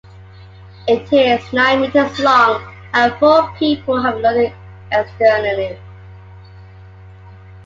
It is nine meters long and four people have to load it externally.